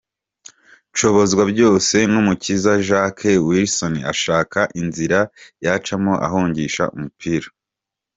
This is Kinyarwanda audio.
Nshobozwabyosenumukiza Jean Jacques Wilson ashaka inzira yacamo ahungisha umupira.